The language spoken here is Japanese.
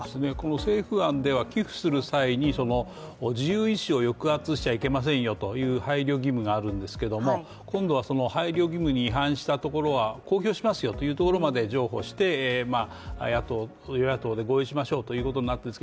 政府案では寄付する際に自由意志を抑圧しちゃいけませんよという配慮義務があるんですが、今度はその配慮義務に違反したところは公表しますよというところまで譲歩して与野党で合意しましょうということなんです。